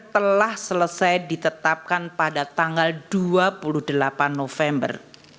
telah selesai ditetapkan pada tanggal dua puluh delapan november